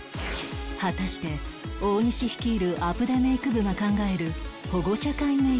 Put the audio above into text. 果たして大西率いるアプデメイク部が考える